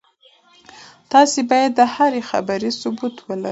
تاسي باید د هرې خبرې ثبوت ولرئ.